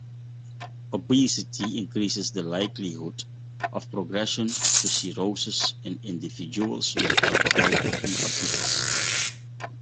Obesity increases the likelihood of progression to cirrhosis in individuals with alcoholic hepatitis.